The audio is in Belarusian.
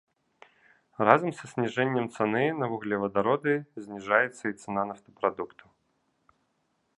Разам са зніжэннем цаны на вуглевадароды зніжаецца і цана нафтапрадуктаў.